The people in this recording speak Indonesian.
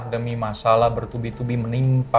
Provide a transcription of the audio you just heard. demi masalah bertubi tubi menimpa